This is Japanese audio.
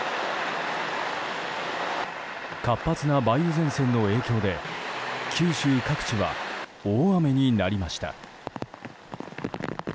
活発な梅雨前線の影響で九州各地は大雨になりました。